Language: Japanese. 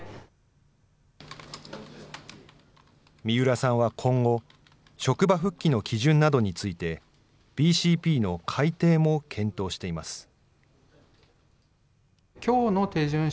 三浦さんは今後、職場復帰の基準などについて、ＢＣＰの改定も検討しています。